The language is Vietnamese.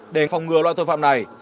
để phòng ngừa loại tội phạm này